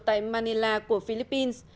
tại manila của philippines